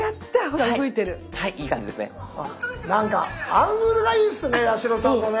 アングルがいいっすね八代さんのね。